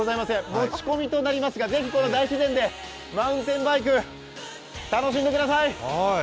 持ち込みとなりますがぜひこの大自然でマウンテンバイク、楽しんでください。